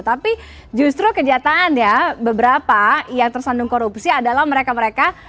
tapi justru kenyataan ya beberapa yang tersandung korupsi adalah mereka mereka